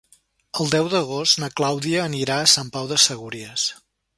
El deu d'agost na Clàudia anirà a Sant Pau de Segúries.